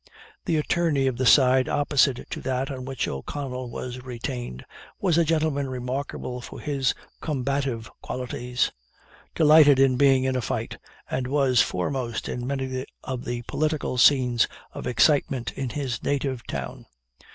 The attorney of the side opposite to that on which O'Connell was retained, was a gentleman remarkable for his combative qualities; delighted in being in a fight, and was foremost in many of the political scenes of excitement in his native town.